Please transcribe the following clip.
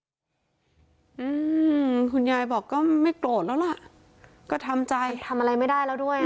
อืมคุณยายบอกก็ไม่โกรธแล้วล่ะก็ทำใจทำอะไรไม่ได้แล้วด้วยอ่ะ